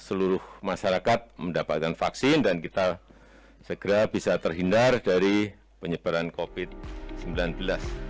seluruh masyarakat mendapatkan vaksin dan kita segera bisa terhindar dari penyebaran covid sembilan belas